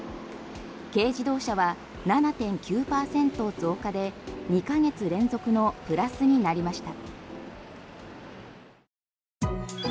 軽自動車は７．９％増加で２ヶ月連続のプラスになりました。